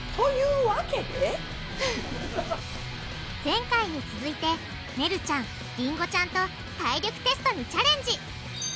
前回に続いてねるちゃんりんごちゃんと体力テストにチャレンジ！